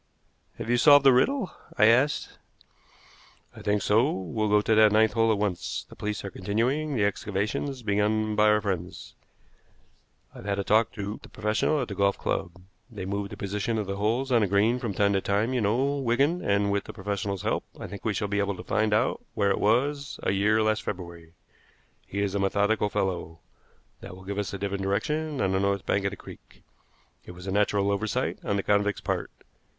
"Have you solved the riddle?" I asked. "I think so. We'll go to that ninth hole at once. The police are continuing the excavations begun by our friends. I've had a talk to the professional at the golf club. They move the position of the holes on a green from time to time, you know, Wigan; and with the professional's help I think we shall be able to find out where it was a year last February. He is a methodical fellow. That will give us a different direction on the north bank of the creek. It was a natural oversight on the convict's part.